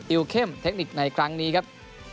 เข้มเทคนิคในครั้งนี้ครับ